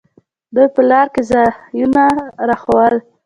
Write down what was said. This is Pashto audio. دوى په لاره کښې ځايونه راښوول.